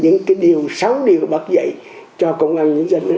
những cái điều sáu điều bác dạy cho công an nhân dân